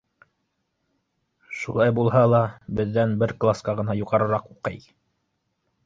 Шулай булһа ла, беҙҙән бер класҡа ғына юғарыраҡ уҡый.